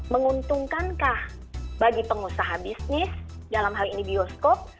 menguntungkankah bagi pengusaha bisnis dalam hal ini bioskop